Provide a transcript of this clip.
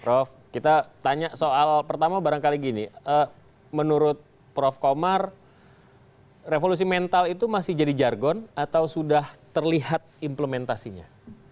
prof kita tanya soal pertama barangkali gini menurut prof komar revolusi mental itu masih jadi jargon atau sudah terlihat implementasinya